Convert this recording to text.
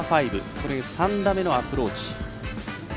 これが３打目のアプローチ。